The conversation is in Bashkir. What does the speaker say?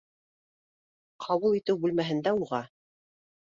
Ҡабул итеү бүлмәһендә уға: